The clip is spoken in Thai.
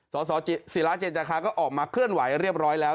สสิราเจนจาคาก็ออกมาเคลื่อนไหวเรียบร้อยแล้ว